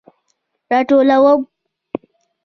راټولوم